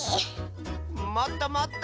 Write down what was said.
もっともっと！